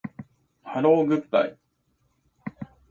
ハローグッバイ